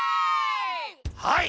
はい。